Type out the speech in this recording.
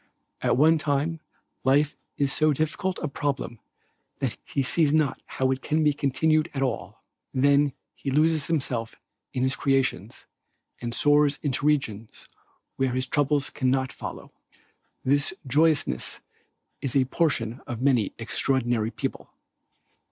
At one time life is so difficult a problem that he sees not how it can be continued at all. Then he loses himself in his creations and soars into regions where his troubles cannot follow. This joyousness is the portion of many extraordinary people.